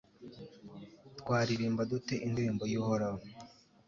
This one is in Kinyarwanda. twaririmba dute indirimbo y'uhoraho